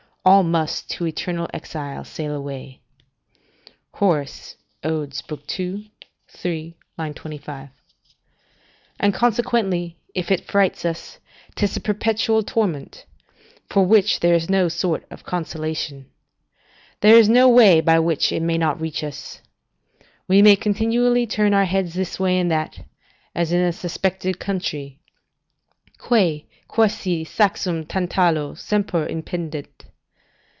All must to eternal exile sail away." Hor., Od., ii. 3, 25.] and, consequently, if it frights us, 'tis a perpetual torment, for which there is no sort of consolation. There is no way by which it may not reach us. We may continually turn our heads this way and that, as in a suspected country: "Quae, quasi saxum Tantalo, semper impendet."